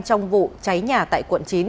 trong vụ cháy nhà tại quận chín